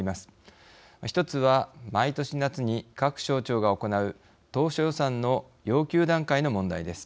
１つは毎年夏に各省庁が行う当初予算の要求段階の問題です。